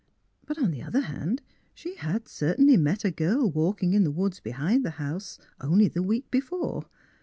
But, on the other hand, she had certainly met a girl walking in the woods behind the house, only the week be fore.